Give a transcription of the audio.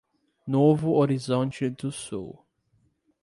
Novo Horizonte do Sul